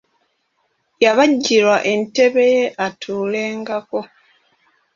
Yabajjirwa entebe ye atuulengako.